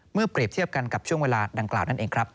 เปรียบเทียบกันกับช่วงเวลาดังกล่าวนั่นเองครับ